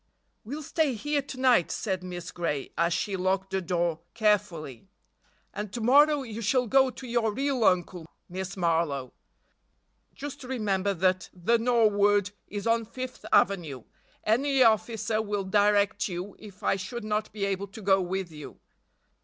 "We'll stay here to night," said Miss Gray, as she locked the door carefully, "and to morrow you shall go to your real uncle, Miss Marlowe. Just remember that 'The Norwood' is on Fifth avenue; any officer will direct you if I should not be able to go with you."